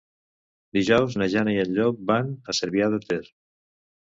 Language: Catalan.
Dijous na Jana i en Llop van a Cervià de Ter.